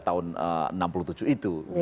tahun seribu sembilan ratus enam puluh tujuh itu